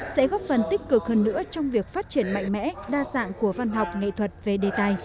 sẽ góp phần tích cực hơn nữa trong việc phát triển mạnh mẽ đa dạng của văn học nghệ thuật về đề tài